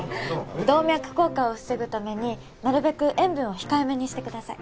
動脈硬化を防ぐためになるべく塩分を控えめにしてください